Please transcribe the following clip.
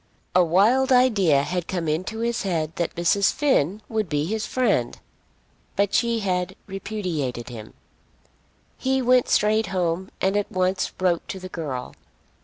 A wild idea had come into his head that Mrs. Finn would be his friend; but she had repudiated him. He went straight home and at once wrote to the girl.